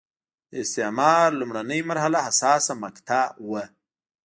د استعمار لومړنۍ مرحله حساسه مقطعه وه.